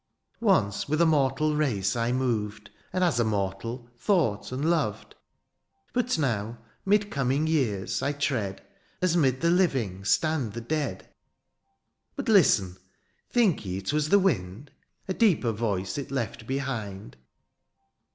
THE AREOPAGITE. 43 ^' Once^ with a mortal race I moved^ '^ And^ as a mortal^ thought and loved ;^' But now^ ^mid coming years^ I tread^ '^ As 'mid the living stand the dead. ^' But listen ! think ye 'twas the wind ?'' A deeper voice it left behind.